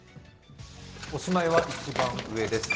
おしまいは一番上です。